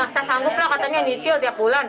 saya sanggup lah katanya nyicil tiap bulan